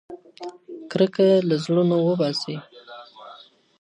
کرکه له زړونو وباسئ.